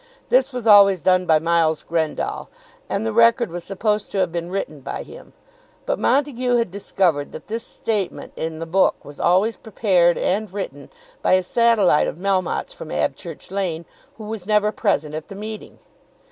This was always done by Miles Grendall; and the record was supposed to have been written by him. But Montague had discovered that this statement in the book was always prepared and written by a satellite of Melmotte's from Abchurch Lane who was never present at the meeting.